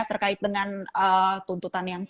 terkait dengan tuntutan yang